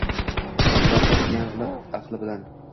Zohid yanglig’ aqli bilan